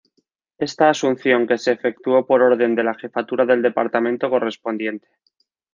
Esta asunción que se efectuó por orden de la Jefatura del Departamento correspondiente.